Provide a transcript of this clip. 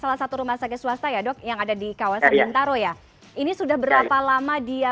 salah satu rumah sakit swasta ya dok yang ada di kawasan bintaro ya ini sudah berapa lama dia